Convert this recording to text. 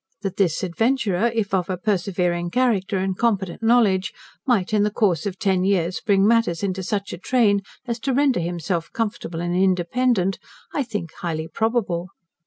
That this adventurer, if of a persevering character and competent knowledge, might in the course of ten years bring matters into such a train as to render himself comfortable and independent, I think highly probable.